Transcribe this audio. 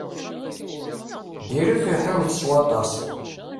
Dirit uḥiwet s waṭas.